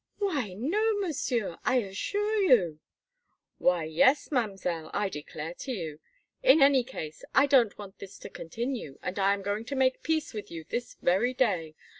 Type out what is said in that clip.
"Why, no, Monsieur, I assure you!" "Why, yes, Mam'zelle, I declare to you! In any case, I don't want this to continue, and I am going to make peace with you this very day.